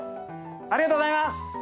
ありがとうございます。